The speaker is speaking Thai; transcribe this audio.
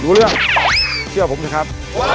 หยุดเรื่องเชื่อผมสิครับ